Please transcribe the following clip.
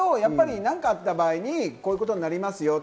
何かあった場合にこういうことになりますよ。